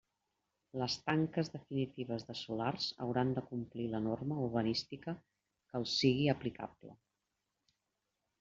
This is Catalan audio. Les tanques definitives de solars hauran de complir la norma urbanística que els sigui aplicable.